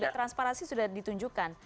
transparansi sudah ditunjukkan